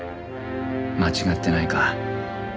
間違ってないか？